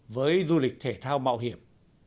với du lịch thể thao mạo hiểm